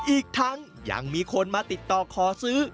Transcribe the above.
อีกทั้งยังมีคนมาติดต่อขอซื้อ